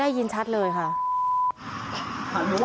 ได้ยินชัดเลยค่ะ